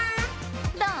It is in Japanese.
どう？